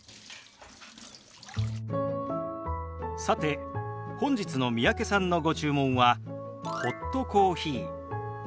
さて本日の三宅さんのご注文はホットコーヒー。